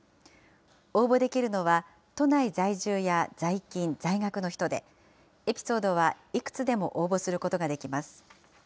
応募できるのは、都内在住や在勤・在学の人で、エピソードはいくつでも応募することができます。